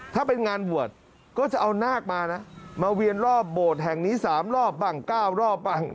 ถ้าเป็นงานบวชก็จะเอานากมานะมาเวียนรอบโบดแห่งนี้สามรอบบ้าง